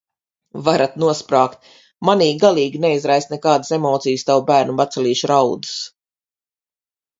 Varat nosprāgt, manī galīgi neizraisa nekādas emocijas tavu bērnu bacilīšu raudas.